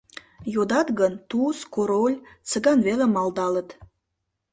Йодат гын, Туз, Король, Цыган веле малдалыт.